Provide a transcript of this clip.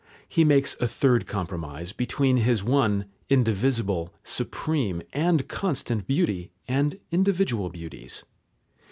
He makes a third compromise between his one, indivisible, supreme, and constant beauty and individual beauties.